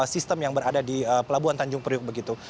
sistem yang berada di pelabuhan taunjung priok begitu